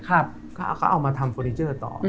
เขาเอามาทำเฟอร์นิเจอร์ต่อ